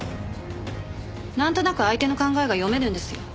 なんとなく相手の考えが読めるんですよ。